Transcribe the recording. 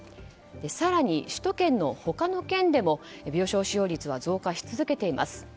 更に、首都圏の他の県でも病床使用率は増加し続けています。